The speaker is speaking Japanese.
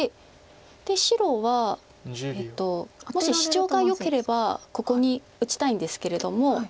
で白はもしシチョウがよければここに打ちたいんですけれども。